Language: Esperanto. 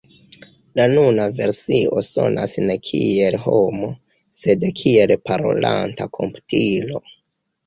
La nuna versio sonas ne kiel homo, sed kiel parolanta komputilo.